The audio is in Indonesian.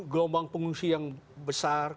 gelombang pengungsi yang besar